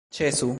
Ĉesu!